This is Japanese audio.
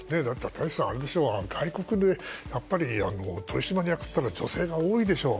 外国で、取締役っていうのは女性が多いでしょう。